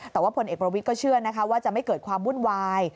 แต่ว่าผลเอกประวิทย์ก็เชื่อนะคะว่าจะไม่เกิดความวุ่นวาย